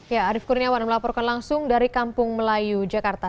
ya arief kurniawan melaporkan langsung dari kampung melayu jakarta